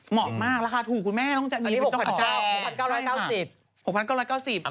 เหมาะมากราคาถูกคุณแม่ต้องจะมีเป็นเจ้าของแม่ค่ะอันนี้๖๙๙๐บาท